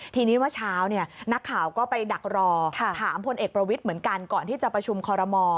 ทีนี้เมื่อเช้านักข่าวก็ไปดักรอถามพลเอกประวิทย์เหมือนกันก่อนที่จะประชุมคอรมอ